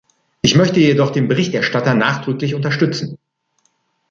Ich möchte jedoch den Berichterstatter nachdrücklich unterstützen.